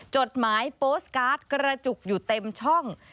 จดหมายโปสตการ์ดกระจุกอยู่เต็มช่อง